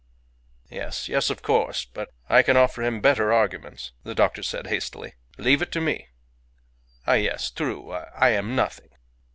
"Yes. Yes, of course. But I can offer him better arguments," the doctor said, hastily. "Leave it to me." "Ah, yes! True. I am nothing."